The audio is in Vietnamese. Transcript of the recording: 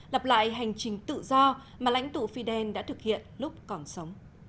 lặp lại hành trình tự do mà lãnh tụ fidel đã thực hiện lúc còn sống